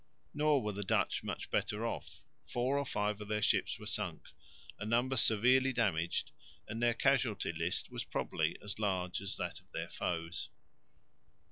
Nor were the Dutch much better off. Four or five of their ships were sunk, a number severely damaged, and their casualty list was probably as large as that of their foes.